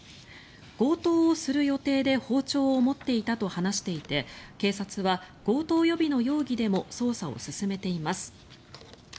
強盗をする予定で包丁を持っていたと話していて警察は強盗予備の容疑でも捜査を進めています。